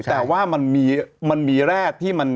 แต่ว่ามันมีแร่ที่มัน